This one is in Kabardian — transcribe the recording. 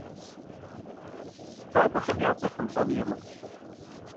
Фэ абыхэм я цӀэр фымыщӀэну емыкӀущ.